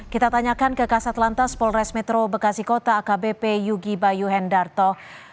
kita tanyakan ke kasat lantas polres metro bekasi kota akbp yugi bayu hendarto